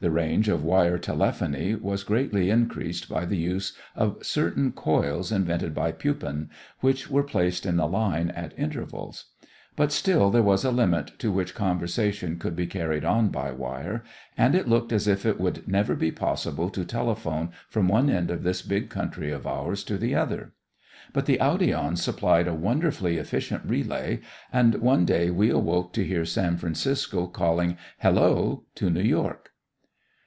The range of wire telephony was greatly increased by the use of certain coils invented by Pupin, which were placed in the line at intervals; but still there was a limit to which conversation could be carried on by wire and it looked as if it would never be possible to telephone from one end of this big country of ours to the other. But the audion supplied a wonderfully efficient relay and one day we awoke to hear San Francisco calling, "Hello," to New York.